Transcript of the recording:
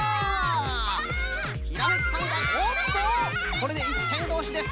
これで１てんどうしです。